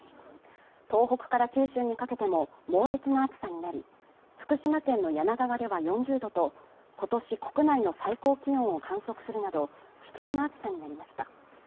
東北から九州にかけても猛烈な暑さになり福島県の梁川では４０度と今年国内の最高気温を観測するなど危険な暑さになりました。